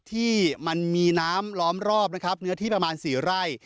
ที่มันมีน้ำล้อมรอบนะครับเนื้อที่ประมาณ๔ไร่